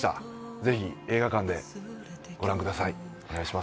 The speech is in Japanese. ぜひ、映画館でご覧ください。